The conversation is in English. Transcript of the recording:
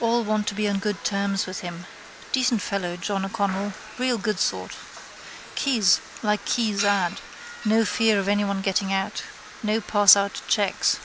All want to be on good terms with him. Decent fellow, John O'Connell, real good sort. Keys: like Keyes's ad: no fear of anyone getting out. No passout checks.